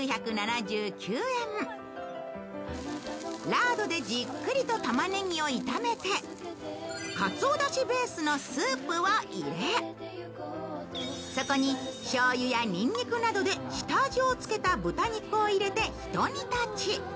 ラードでじっくりと玉ねぎを炒めてかつおだしベースのスープを入れ、そこにしょうゆやにんにくなどで下味をつけた豚肉を入れてひと煮立ち。